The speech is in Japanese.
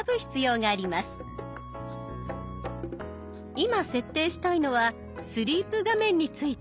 今設定したいのはスリープ画面について。